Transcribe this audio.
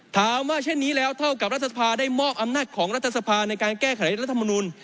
ว่าเช่นนี้แล้วเท่ากับรัฐสภาได้มอบอำนาจของรัฐสภาในการแก้ไขรัฐมนุน